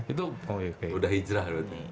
itu udah hijrah berarti